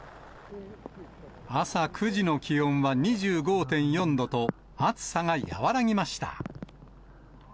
朝９時の気温は２５．４度と、暑さが和らぎました。